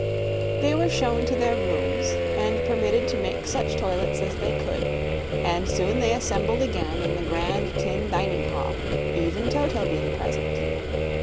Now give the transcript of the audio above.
They were shown to their rooms and permitted to make such toilets as they could, and soon they assembled again in the grand tin dining hall, even Toto being present.